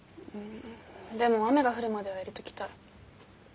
でも雨が降るまでは入れときたい。